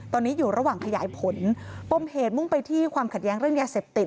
ตอนนี้อยู่ระหว่างขยายผลปมเหตุมุ่งไปที่ความขัดแย้งเรื่องยาเสพติด